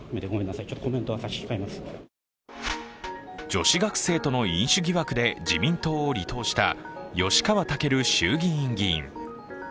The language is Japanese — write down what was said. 女子学生との飲酒疑惑で自民党を離党した吉川赳衆議院議員。